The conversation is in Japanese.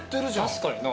確かにな。